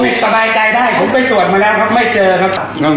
สบายใจได้ผมไปตรวจมาแล้วครับไม่เจอครับ